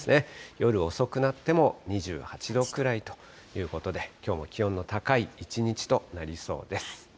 夜遅くなっても２８度くらいということで、きょうも気温の高い一日となりそうです。